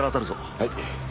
はい。